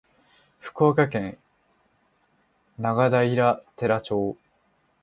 福井県永平寺町